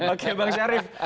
oke bang syarif